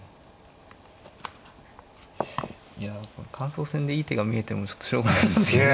いやこれ感想戦でいい手が見えてもちょっとしょうがないんですけど。